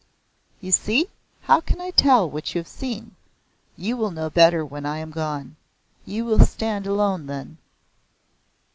"You see! How can I tell what you have seen? You will know better when I am gone. You will stand alone then."